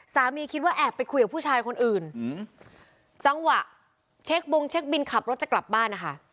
คิดว่าแอบไปคุยกับผู้ชายคนอื่นจังหวะเช็คบงเช็คบินขับรถจะกลับบ้านนะคะ